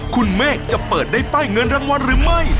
คุณเมฆจะเปิดได้ป้ายเงินรางวัลหรือไม่